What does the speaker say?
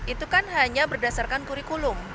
itu kan hanya berdasarkan kurikulum